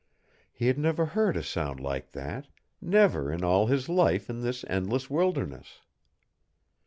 He had never heard a sound like that never in all his life in this endless wilderness.